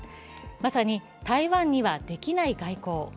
まさに台湾にはできない外交。